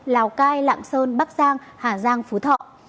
lào cai lạng sơn bắc giang hà giang phú thọ